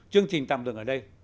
chương trình tạm dừng ở đây